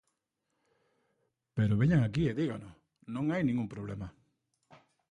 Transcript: Pero veñan aquí e dígano, non hai ningún problema.